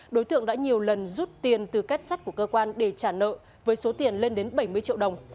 đối tượng đã nhiều lần rút tiền từ kết sắt của cơ quan để trả nợ với số tiền lên đến bảy mươi triệu đồng